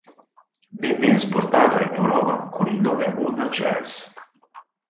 Venne esportata in Europa con il nome Honda Jazz.